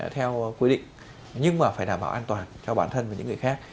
theo quy định nhưng mà phải đảm bảo an toàn cho bản thân và những người khác